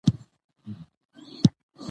مېلې د انسانانو د یو بل منلو تمرین کوي.